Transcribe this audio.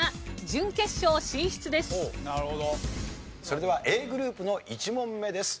それではＡグループの１問目です。